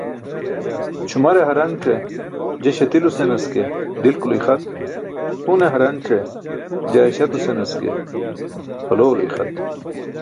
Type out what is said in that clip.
Ćʰumare haranc̣e je śatilo senas ke dilkulo ixat, hune haranc̣e je aśaato senas ke pʰalowlo ixat.